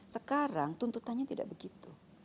sekarang tuntutannya tidak begitu